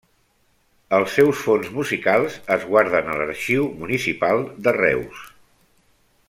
Els seus fons musicals es guarden a l'Arxiu Municipal de Reus.